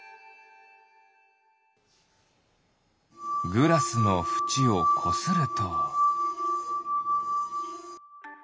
グラスのふちをこすると。